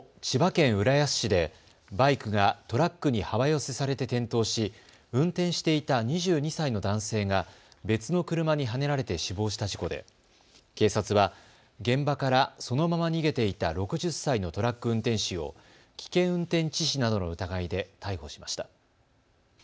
千葉県浦安市でバイクがトラックに幅寄せされて転倒し運転していた２２歳の男性が別の車にはねられて死亡した事故で警察は現場からそのまま逃げていた６０歳のトラック運転手を危険運転致死などの疑いで逮捕しました。